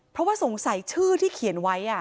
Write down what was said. เพราะว่าสงสัยชื่อที่เขียนไว้